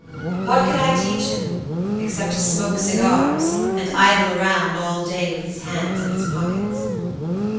What could I teach him, except to smoke cigars and idle around all day with his hands in his pockets?"